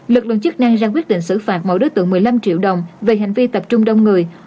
lực lượng chức năng ra quyết định xử phạt mỗi đối tượng một mươi năm triệu đồng về hành vi tập trung đông người